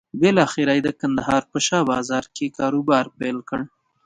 بالاخره یې د کندهار په شا بازار کې کاروبار پيل کړ.